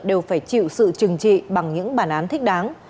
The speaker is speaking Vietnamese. đều phải chịu sự trừng trị bằng những bản án thích đáng